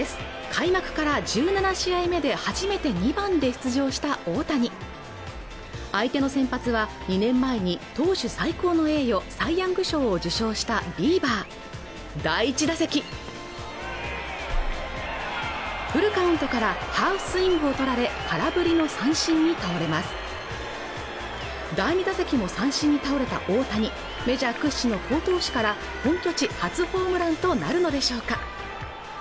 開幕から１７試合目で初めて２番で出場した大谷相手の先発は２年前に投手最高の栄誉サイ・ヤング賞を受賞したビーバー第１打席フルカウントから三振を取られ空振りの三振に倒れます第２打席も三振に倒れた大谷メジャー屈指の好投手から本拠地初ホームランとなるのでしょうか